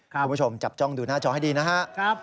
คุณผู้ชมจับจ้องดูหน้าจอให้ดีนะครับ